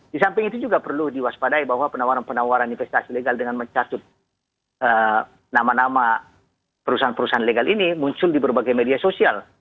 di samping itu juga perlu diwaspadai bahwa penawaran penawaran investasi legal dengan mencatut nama nama perusahaan perusahaan legal ini muncul di berbagai media sosial